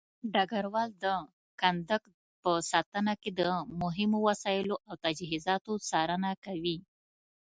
ډګروال د کندک په ساتنه کې د مهمو وسایلو او تجهيزاتو څارنه کوي.